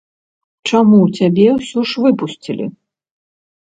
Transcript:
Чаму цябе ўсё ж выпусцілі?